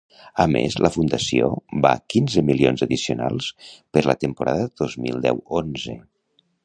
A més, la fundació va quinze milions addicionals per la temporada dos mil deu-onze.